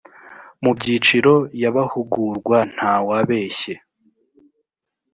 mu byiciro y abahugurwa ntawabeshye